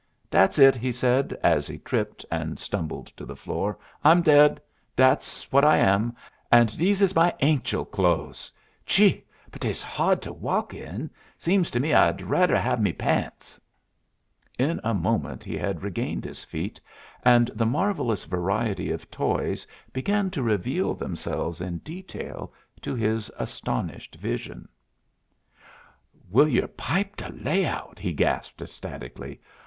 "Dat's it," he said, as he tripped, and stumbled to the floor. "I'm dead, dat's what I am and dese is my anchel clo'es. Chee, but dey's hard to walk in. Seems to me I'd radder have me pants." In a moment he had regained his feet, and the marvelous variety of toys began to reveal themselves in detail to his astounded vision. "Will yer pipe de layout!" he gasped ecstatically.